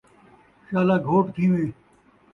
شالا گھوٹ تھیوٰیں